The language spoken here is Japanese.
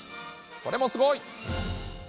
これもすごい。